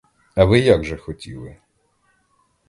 А ви як же хотіли?